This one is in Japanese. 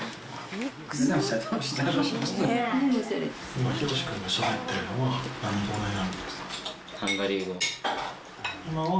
今、ヒロシ君がしゃべってるのは、何語になるんですか？